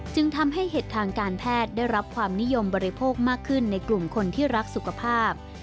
จึงทำให้เห็ดทางการแพทย์ได้รับความนิยมบริโภคมากขึ้นในกลุ่มคนที่รักสุขภาพ